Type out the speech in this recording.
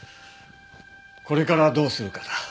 これからどうするかだ。